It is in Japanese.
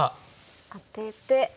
アテて。